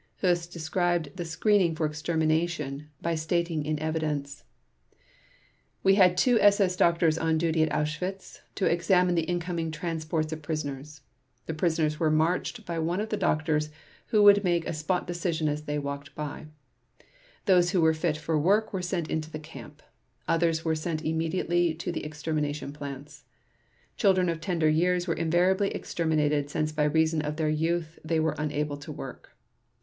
Höss described the screening for extermination by stating in evidence: "We had two SS doctors on duty at Auschwitz to examine the incoming transports of prisoners. The prisoners would be marched by one of the doctors who would make spot decisions as they walked by. Those who were fit for work were sent into the camp. Others were sent immediately to the extermination plants. Children of tender years were invariably exterminated since by reason of their youth they were unable to work.